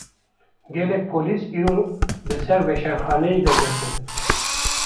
Gelek polîs, îro bi ser weşanxaneyê de girtin